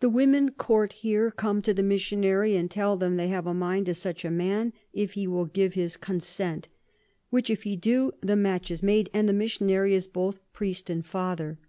The Women court here, come to the Missionary, and tell him they have a mind to such a Man, if he will give his Consent; which if he do, the Match is made, and the Missionary is both Priest and Father.